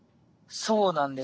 そうなんです。